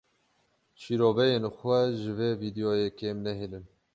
Şiroveyên xwe ji vê vîdeoyê kêm nehêlin.